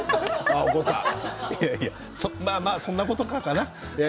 まあ、そんなことかかな。